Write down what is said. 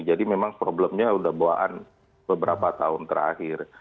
jadi memang problemnya sudah bawaan beberapa tahun terakhir